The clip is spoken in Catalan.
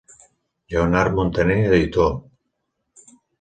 Lleonard Muntaner, editor.